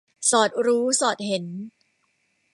สอดรู้สอดเห็น